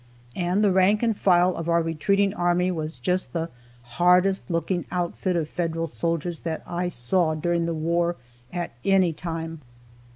And the rank and file of our retreating army was just the hardest looking outfit of Federal soldiers that I saw during the war, at any time.